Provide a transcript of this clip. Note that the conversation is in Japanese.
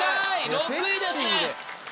６位ですね。